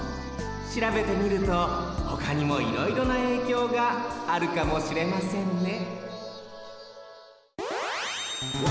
しらべてみるとほかにもいろいろなえいきょうがあるかもしれませんね